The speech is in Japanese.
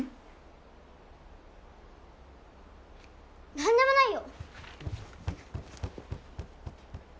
何でもないよ。